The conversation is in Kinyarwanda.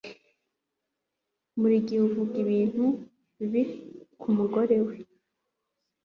buri gihe avuga ibintu bibi ku mugore we